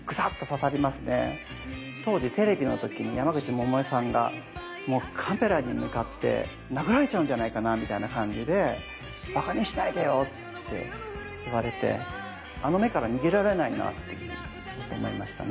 当時テレビの時に山口百恵さんがもうカメラに向かって殴られちゃうんじゃないかなみたいな感じで「馬鹿にしないでよ」って言われてあの目から逃げられないなってちょっと思いましたね。